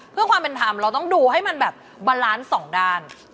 เพื่อความเป็นธรรมเราต้องดูให้มันแบบบาลานซ์สองด้าน